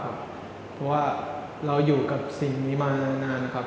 เพราะว่าเราอยู่กับสิ่งนี้มานานนะครับ